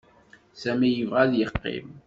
Sami yebɣa ad yeqqim.